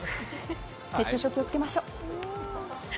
熱中症、気をつけましょう。